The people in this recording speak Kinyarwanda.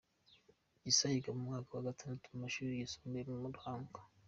Gisa yiga mu mwaka wa gatandatu mu mashuri yisumbuye mu Ruhango.